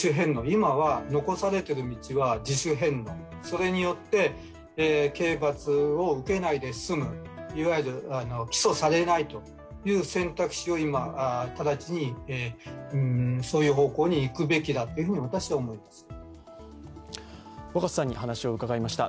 今は残されている道は自主返納、それによって刑罰を受けないで済む、いわゆる起訴されないという選択肢を今、直ちにそういう方向にいくべきだと私は思います。